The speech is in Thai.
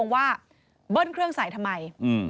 ว่าเบิ้ลเครื่องใส่ทำไม